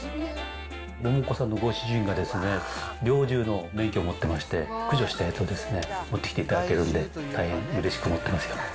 桃子さんのご主人が猟銃の免許を持ってまして、駆除したやつを持ってきていただけるので、大変うれしく思ってます。